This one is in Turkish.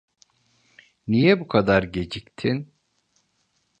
Niye bu kadar geciktin?